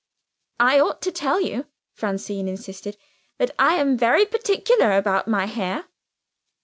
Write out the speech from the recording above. "I ought to tell you," Francine insisted, "that I am very particular about my hair."